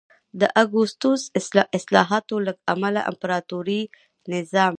د اګوستوس اصلاحاتو له امله امپراتوري نظام